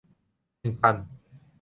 หนึ่งพัน